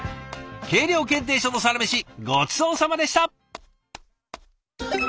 計量検定所のサラメシごちそうさまでした！